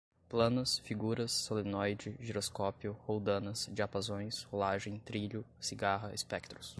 planas, figuras, solenoide, giroscópio, roldanas, diapasões, rolagem, trilho, cigarra, espectros